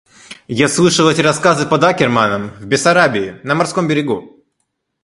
Я слышал эти рассказы под Аккерманом, в Бессарабии, на морском берегу.